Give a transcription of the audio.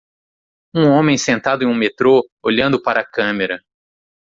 Um homem sentado em um metrô, olhando para a câmera.